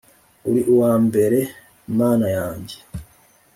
uri uwambere mana yanjye